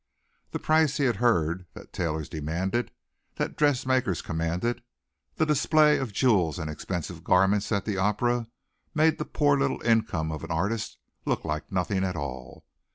The prices he heard that tailors demanded that dressmakers commanded, the display of jewels and expensive garments at the opera, made the poor little income of an artist look like nothing at all.